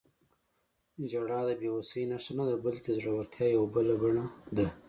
• ژړا د بې وسۍ نښه نه ده، بلکې د زړورتیا یوه بله بڼه ده.